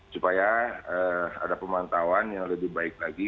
supaya ada pemantauan yang lebih baik lagi